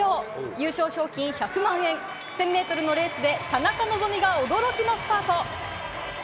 優勝賞金１００万円、１０００メートルのレースで、田中希実が驚きのスパート。